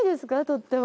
とっても。